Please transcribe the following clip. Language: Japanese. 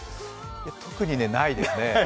特にないですね。